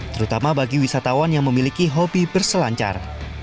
terutama bagi wisatawan yang memiliki hobi berselancar